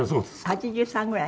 ８３ぐらい？